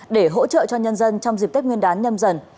để hỗ trợ cho nhân dân trong dịp tết nguyên đán nhâm dần